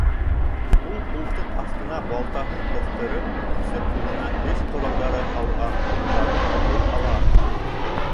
Ул ҡултыҡ аҫтына балтаһын ҡыҫтырып, икенсе ҡулына эш ҡоралдары һалған ҡумтаһын тотоп ала.